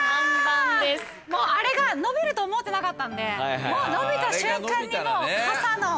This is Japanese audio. あれがのびると思ってなかったんでのびた瞬間にもう傘の。